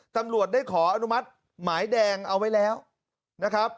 ตำรวจได้ขออนุมัติหมายแดงเอาไว้แล้วนะครับ